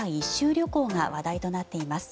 旅行が話題になっています。